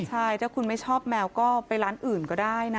ใช่ถ้าคุณไม่ชอบแมวก็ไปร้านอื่นก็ได้นะ